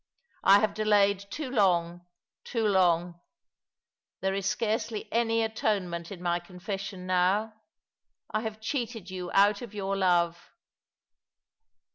I have delayed too long— too long ! There is scarcely any atonement in my confession now. I have cheated you out of your love."